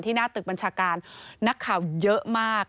หน้าตึกบัญชาการนักข่าวเยอะมาก